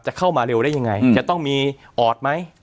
จะเข้ามาเร็วได้ยังไงอืมจะต้องมีออดไหมครับ